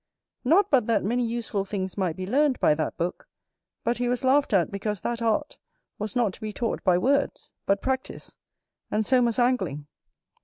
Not but that many useful things might be learned by that book, but he was laughed at because that art was not to be taught by words, but practice: and so must Angling.